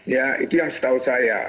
ya itu yang setahu saya